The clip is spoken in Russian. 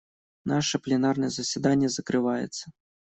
Наше пленарное заседание закрывается.